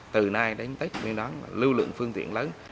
từ nay đến tết nguyên đáng lưu lượng phương tiện lớn